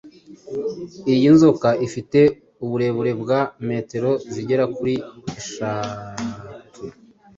Iyi nzoka ifite uburebure bwa metero zigera kuri eshatu